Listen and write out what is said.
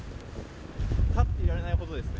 立っていられないほどですね。